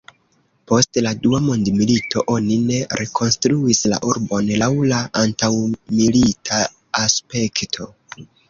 Post la Dua Mondmilito oni ne rekonstruis la urbon laŭ la antaŭmilita aspekto.